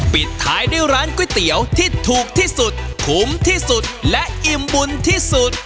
ปิดท้ายด้วยร้านก๋วยเตี๋ยวที่ถูกที่สุดคุ้มที่สุดและอิ่มบุญที่สุด